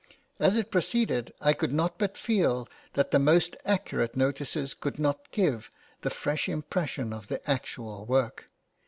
As it proceeded, I could not but feel that the most accurate notices could not give the fresh impression of the actual work.